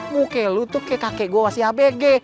muka lu tuh kayak kakek gua si abg